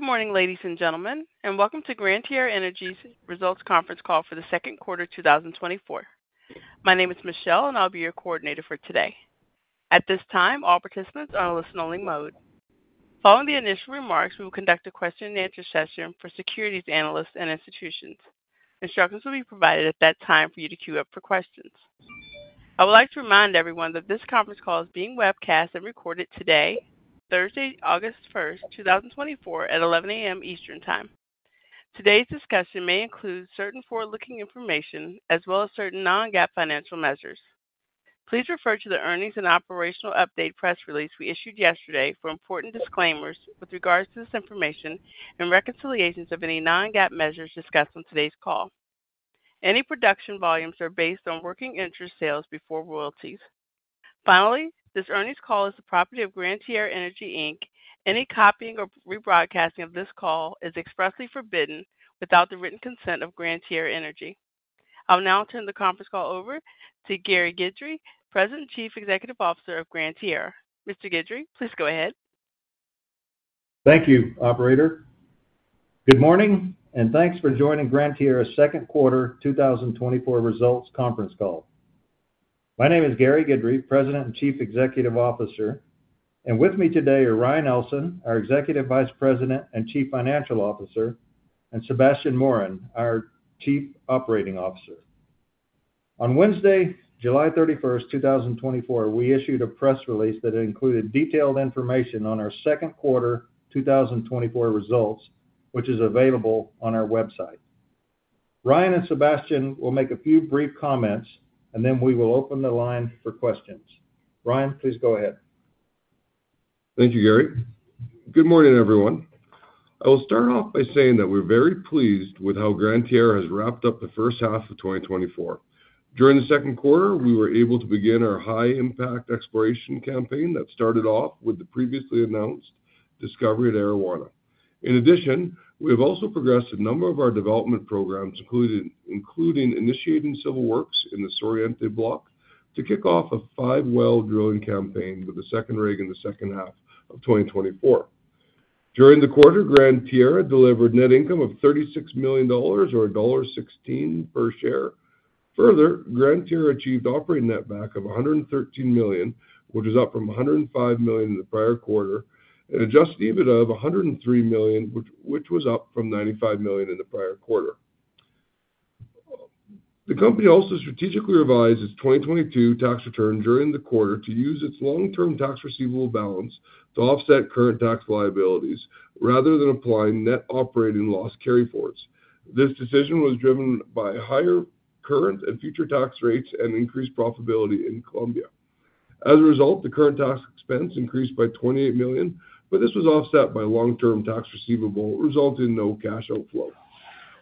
Good morning, ladies and gentlemen, and welcome to Gran Tierra Energy's Results Conference Call for the Q2 of 2024. My name is Michelle, and I'll be your coordinator for today. At this time, all participants are in listen-only mode. Following the initial remarks, we will conduct a question and answer session for securities analysts and institutions. Instructions will be provided at that time for you to queue up for questions. I would like to remind everyone that this conference call is being webcast and recorded today, Thursday, August 1st, 2024, at 11:00 AM Eastern Time. Today's discussion may include certain forward-looking information as well as certain non-GAAP financial measures. Please refer to the earnings and operational update press release we issued yesterday for important disclaimers with regards to this information and reconciliations of any non-GAAP measures discussed on today's call. Any production volumes are based on working interest sales before royalties. Finally, this earnings call is the property of Gran Tierra Energy Inc. Any copying or rebroadcasting of this call is expressly forbidden without the written consent of Gran Tierra Energy. I'll now turn the conference call over to Gary Guidry, President and Chief Executive Officer of Gran Tierra Energy. Mr. Guidry, please go ahead. Thank you, Operator. Good morning, and thanks for joining Gran Tierra's Q2 2024 Results Conference Call. My name is Gary Guidry, President and Chief Executive Officer, and with me today are Ryan Ellson, our Executive Vice President and Chief Financial Officer, and Sebastien Morin, our Chief Operating Officer. On Wednesday, July 31st, 2024 we issued a press release that included detailed information on our Q2 2024 results, which is available on our website. Ryan and Sebastien will make a few brief comments, and then we will open the line for questions. Ryan, please go ahead. Thank you, Gary. Good morning, everyone. I will start off by saying that we're very pleased with how Gran Tierra has wrapped up the first half of 2024. During the Q2 we were able to begin our high-impact exploration campaign that started off with the previously announced discovery of Arawana. In addition, we have also progressed a number of our development programs, including initiating civil works in the Suroriente block to kick off a five-well drilling campaign with the second rig in the second half of 2024. During the quarter Gran Tierra delivered net income of $36 million, or $1.16 per share. Further, Gran Tierra achieved operating netback of $113 million, which was up from $105 million in the prior quarter, and adjusted EBITDA of $103 million, which was up from $95 million in the prior quarter. The company also strategically revised its 2022 tax return during the quarter to use its long-term tax receivable balance to offset current tax liabilities rather than applying net operating loss carryforwards. This decision was driven by higher current and future tax rates and increased profitability in Colombia. As a result, the current tax expense increased by $28 million, but this was offset by long-term tax receivable, resulting in no cash outflow.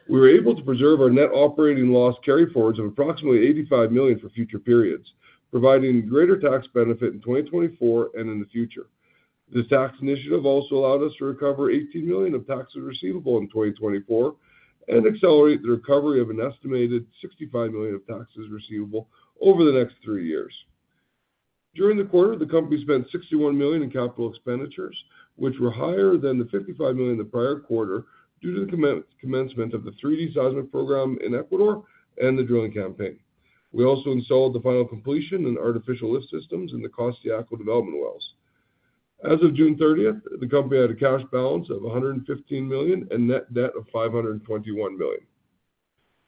We were able to preserve our net operating loss carryforwards of approximately $85 million for future periods, providing greater tax benefit in 2024 and in the future. This tax initiative also allowed us to recover $18 million of taxes receivable in 2024 and accelerate the recovery of an estimated $65 million of taxes receivable over the next three years. During the quarter, the company spent $61 million in capital expenditures, which were higher than the $55 million in the prior quarter due to the commencement of the 3D Seismic Program in Ecuador and the drilling campaign. We also installed the final completion and artificial lift systems in the Costayaco development wells. As of June 30th, the company had a cash balance of $115 million and net debt of $521 million.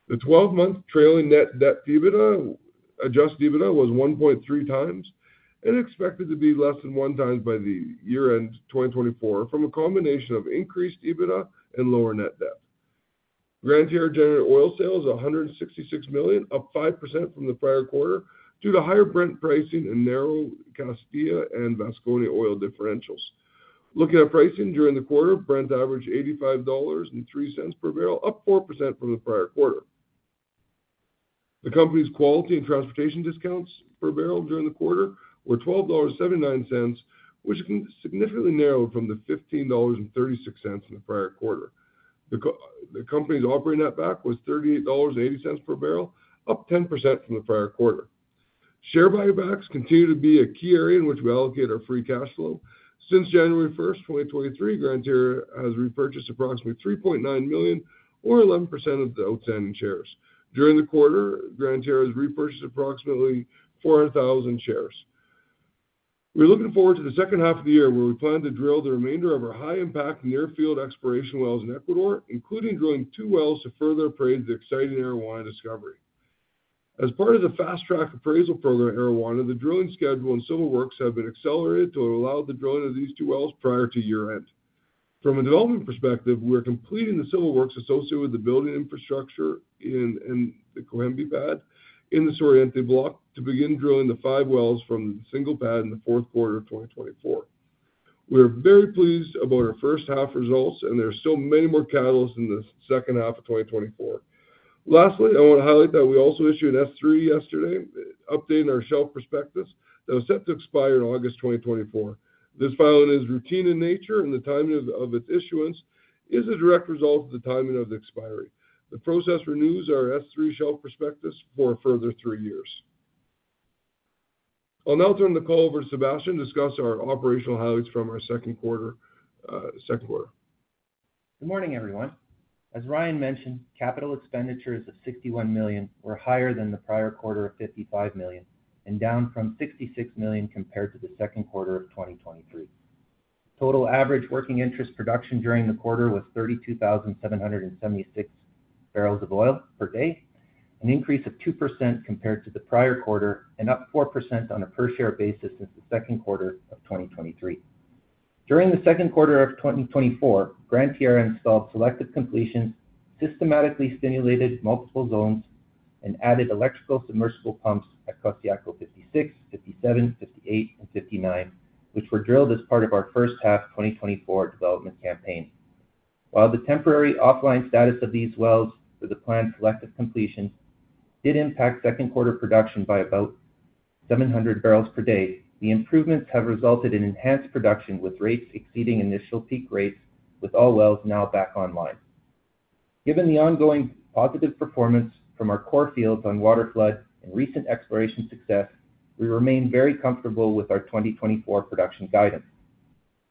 The 12 month trailing net debt EBITDA was 1.3x and expected to be less than 1x by the year-end 2024 from a combination of increased EBITDA and lower net debt. Gran Tierra generated oil sales of $166 million, up 5% from the prior quarter due to higher Brent pricing and narrow Costayaco and Vasconia oil differentials. Looking at pricing during the quarter, Brent averaged $85.03 per barrel, up 4% from the prior quarter. The company's quality and transportation discounts per barrel during the quarter were $12.79, which significantly narrowed from the $15.36 in the prior quarter. The company's operating netback was $38.80 per barrel, up 10% from the prior quarter. Share buybacks continue to be a key area in which we allocate our free cash flow. Since January 1st, 2023, Gran Tierra has repurchased approximately $3.9 million, or 11% of the outstanding shares. During the quarter, Gran Tierra has repurchased approximately 400,000 shares. We're looking forward to the second half of the year, where we plan to drill the remainder of our high-impact near-field exploration wells in Ecuador including drilling two wells to further appraise the exciting Arawana discovery. As part of the Fast Track Appraisal Program Arawana, the drilling schedule and civil works have been accelerated to allow the drilling of these two wells prior to year-end. From a development perspective, we are completing the civil works associated with the building infrastructure in the Cohembi pad in the Suroriente block to begin drilling the five wells from the single pad in the fourth quarter of 2024. We are very pleased about our first half results, and there are still many more catalysts in the second half of 2024. Lastly, I want to highlight that we also issued an S-3 yesterday, updating our shelf prospectus that was set to expire in August 2024. This filing is routine in nature, and the timing of its issuance is a direct result of the timing of the expiry. The process renews our S-3 shelf prospectus for a further three years. I'll now turn the call over to Sebastien to discuss our operational highlights from our Q2. Good morning, everyone. As Ryan mentioned, capital expenditures of $61 million were higher than the prior quarter of $55 million, and down from $66 million compared to the Q2 of 2023. Total average working interest production during the quarter was 32,776 barrels of oil per day, an increase of 2% compared to the prior quarter, and up 4% on a per-share basis since the Q2 of 2023. During the Q2 of 2024, Gran Tierra installed selective completions, systematically stimulated multiple zones, and added electrical submersible pumps at Costayaco 56, 57, 58, and 59, which were drilled as part of our first half 2024 development campaign. While the temporary offline status of these wells for the planned selective completions did impact Q2 production by about 700 barrels per day, the improvements have resulted in enhanced production with rates exceeding initial peak rates, with all wells now back online. Given the ongoing positive performance from our core fields on waterflood and recent exploration success, we remain very comfortable with our 2024 production guidance.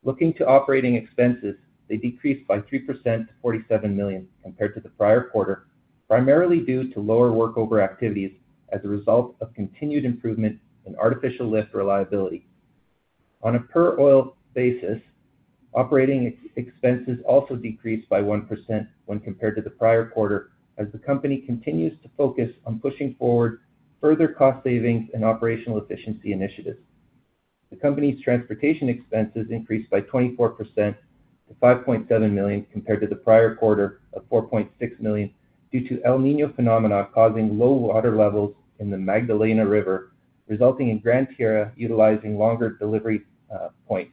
Looking to operating expenses, they decreased by 3% to $47 million compared to the prior quarter, primarily due to lower workover activities as a result of continued improvement in artificial lift reliability. On a per-oil basis, operating expenses also decreased by 1% when compared to the prior quarter, as the company continues to focus on pushing forward further cost savings and operational efficiency initiatives. The company's transportation expenses increased by 24% to $5.7 million compared to the prior quarter of $4.6 million due to El Niño phenomena causing low water levels in the Magdalena River, resulting in Gran Tierra utilizing longer delivery points.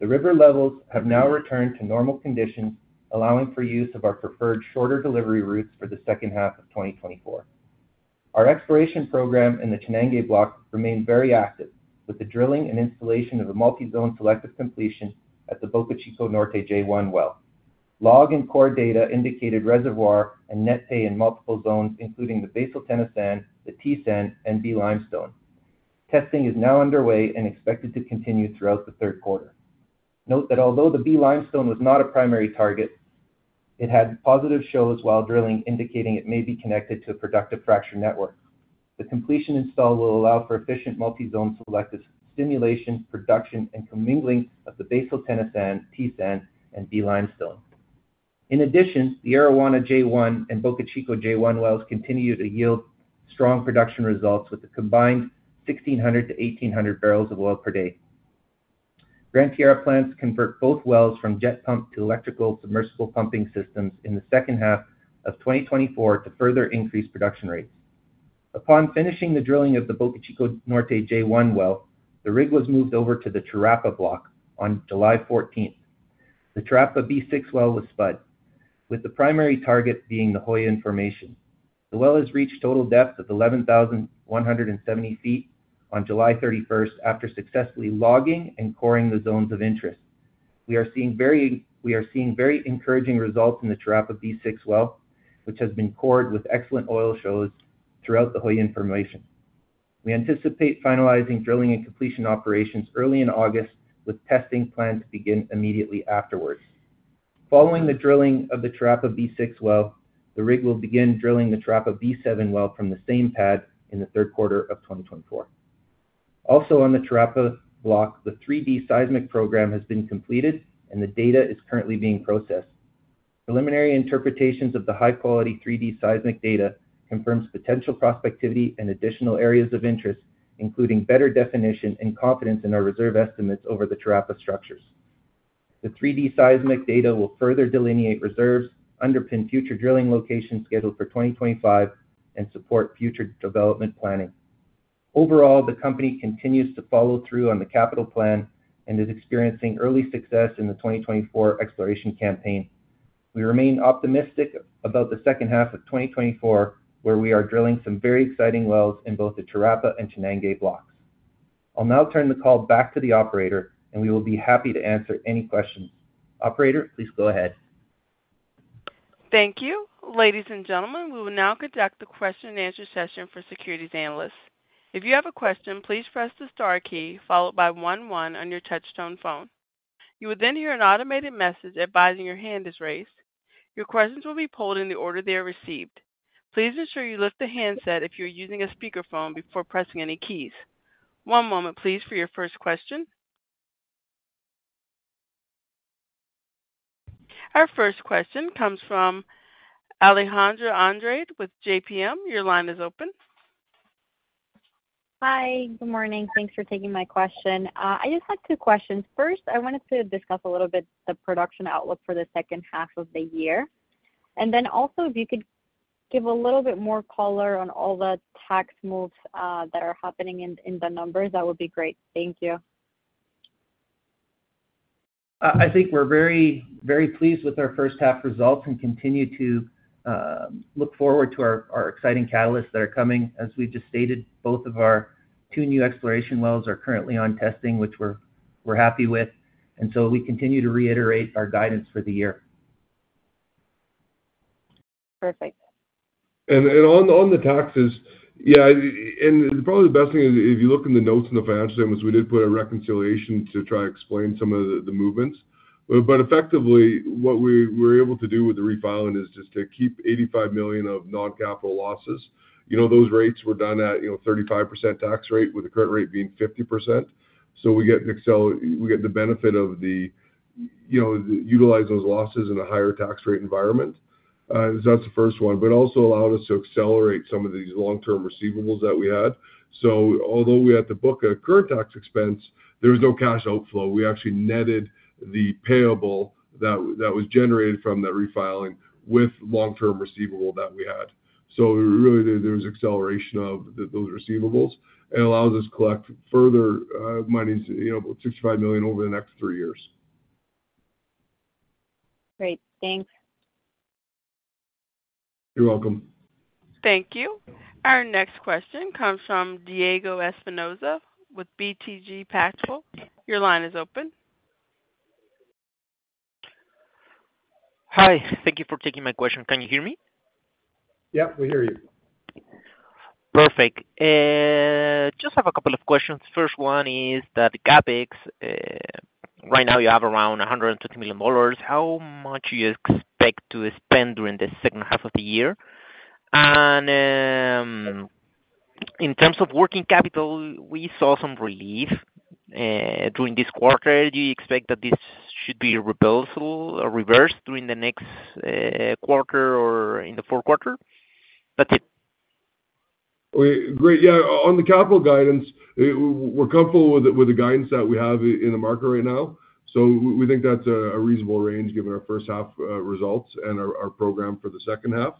The river levels have now returned to normal conditions, allowing for use of our preferred shorter delivery routes for the second half of 2024. Our exploration program in the Chanangue block remained very active, with the drilling and installation of a multi-zone selective completion at the Bocachico Norte J1 well. Log and core data indicated reservoir and net pay in multiple zones, including the Basal t ena sand, T-Sand, and B-Limestone. Testing is now underway and expected to continue throughout the third quarter. Note that although the B-Limestone was not a primary target, it had positive shows while drilling, indicating it may be connected to a productive fracture network. The completion install will allow for efficient multi-zone selective stimulation, production, and commingling of the Basal Tena sand, T-Sand, and B-Limestone. In addition, the Arawana J1 and Bocachico J1 wells continue to yield strong production results with a combined 1,600-1,800 barrels of oil per day. Gran Tierra plans to convert both wells from jet pump to electrical submersible pumping systems in the second half of 2024 to further increase production rates. Upon finishing the drilling of the Bocachico Norte J1 well, the rig was moved over to the Charapa block on July 14th. The Charapa B6 well was spud, with the primary target being the Hollin Formation. The well has reached total depth of 11,170 ft on July 31st after successfully logging and coring the zones of interest. We are seeing very encouraging results in the Charapa B6 well, which has been cored with excellent oil shows throughout the Hollin Formation. We anticipate finalizing drilling and completion operations early in August, with testing planned to begin immediately afterwards. Following the drilling of the Charapa B6 well, the rig will begin drilling the Charapa B7 well from the same pad in the Q3 of 2024. Also on the Charapa block the 3D Seismic program has been completed, and the data is currently being processed. Preliminary interpretations of the high quality 3D seismic data confirm potential prospectivity and additional areas of interest, including better definition and confidence in our reserve estimates over the Charapa structures. The 3D Seismic data will further delineate reserves, underpin future drilling locations scheduled for 2025, and support future development planning. Overall, the company continues to follow through on the capital plan and is experiencing early success in the 2024 exploration campaign. We remain optimistic about the second half of 2024, where we are drilling some very exciting wells in both the Charapa and Chanangue blocks. I'll now turn the call back to the Operator, and we will be happy to answer any questions. Operator, please go ahead. Thank you. Ladies and gentlemen, we will now conduct the question-and-answer session for securities analysts. If you have a question, please press the star key followed by one one on your touch-tone phone. You will then hear an automated message advising your hand is raised. Your questions will be polled in the order they are received. Please ensure you lift the handset if you are using a speakerphone before pressing any keys. One moment, please, for your first question. Our first question comes from Alejandra Andrade with JPM. Your line is open. Hi, good morning. Thanks for taking my question. I just have two questions. First, I wanted to discuss a little bit the production outlook for the second half of the year. And then also, if you could give a little bit more color on all the tax moves that are happening in the numbers, that would be great. Thank you. I think we're very, very pleased with our first half results and continue to look forward to our exciting catalysts that are coming. As we just stated, both of our two new exploration wells are currently on testing, which we're happy with. And so we continue to reiterate our guidance for the year. Perfect. On the taxes, yeah, and probably the best thing is if you look in the notes in the financial statements, we did put a reconciliation to try to explain some of the movements. But effectively, what we were able to do with the refiling is just to keep $85 million of non-capital losses. You know, those rates were done at a 35% tax rate, with the current rate being 50%. So we get the benefit of utilizing those losses in a higher tax rate environment. So that's the first one. But it also allowed us to accelerate some of these long-term receivables that we had. So although we had to book a current tax expense, there was no cash outflow. We actually netted the payable that was generated from that refiling with long-term receivable that we had. So really, there was acceleration of those receivables. It allows us to collect further money, $65 million, over the next three years. Great. Thanks. You're welcome. Thank you. Our next question comes from Diego Espinoza with BTG Pactual. Your line is open. Hi. Thank you for taking my question. Can you hear me? Yep, we hear you. Perfect. Just have a couple of questions. First one is that CapEx, right now you have around $150 million. How much do you expect to spend during the second half of the year? And in terms of working capital, we saw some relief during this quarter. Do you expect that this should be reversed during the next quarter or in the fourth quarter? That's it. Great. Yeah. On the capital guidance, we're comfortable with the guidance that we have in the market right now. So we think that's a reasonable range given our first half results and our program for the second half.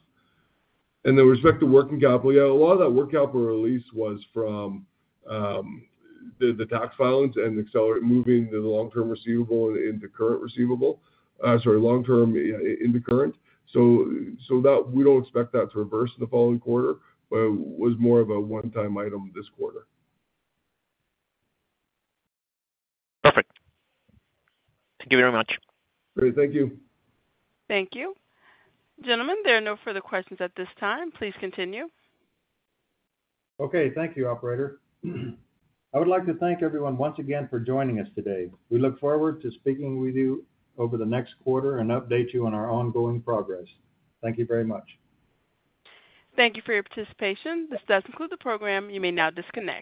And then with respect to working capital, yeah, a lot of that working capital release was from the tax filings and moving the long-term receivable into current receivable, sorry, long-term into current. So we don't expect that to reverse in the following quarter, but it was more of a one-time item this quarter. Perfect. Thank you very much. Great. Thank you. Thank you. Gentlemen, there are no further questions at this time. Please continue. Okay. Thank you, Operator. I would like to thank everyone once again for joining us today. We look forward to speaking with you over the next quarter and update you on our ongoing progress. Thank you very much. Thank you for your participation. This does conclude the program. You may now disconnect.